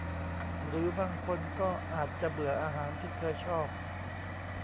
หรือบางคนก็อาจจะเบื่ออาหารที่เคยชอบ